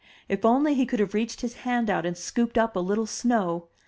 If only he could have reached his hand out and scooped up a little snow!